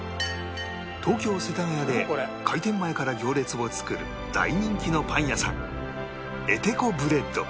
東京世田谷で開店前から行列を作る大人気のパン屋さん ｔｃｏｂｒｅａｄ